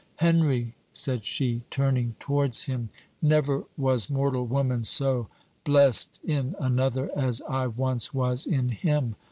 "Henry," said she, turning towards him, "never was mortal woman so blessed in another as I once was in him.